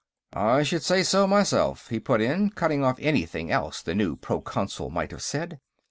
"I should say so, myself," he put in, cutting off anything else the new Proconsul might have said.